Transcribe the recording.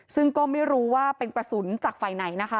ซึ่งก็ไม่รู้ว่าเป็นกระสุนจากฝ่ายไหนนะคะ